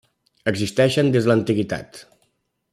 Existeixen des de l'antiguitat.